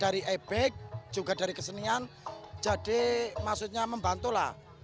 dari ebek juga dari kesenian jadi maksudnya membantulah